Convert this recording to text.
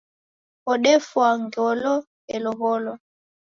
Odefwa ngolo yelowolwa.